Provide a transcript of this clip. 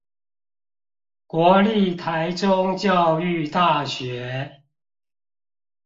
國立臺中教育大學